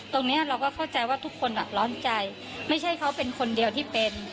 ตรงนี้เราก็เข้าใจว่าทุกคนอ่ะร้อนใจไม่ใช่เขาเป็นคนเดียวที่เป็น